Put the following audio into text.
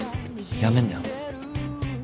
やめんなよ。